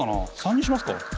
③にしますか。